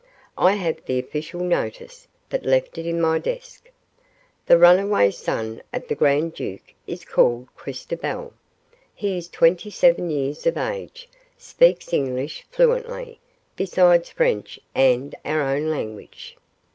I have the official notice, but left it in my desk. The runaway son of the grand duke is called Christobal. He is twenty seven years of age, speaks English fluently, besides French and our own language.